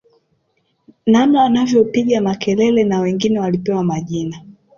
Namna wanavyopiga makelele na wengine walipewa majina